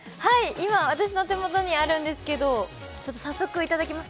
今私の手元にあるんですけど早速いただきます。